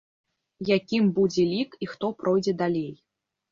Якім будзе лік і хто пройдзе далей?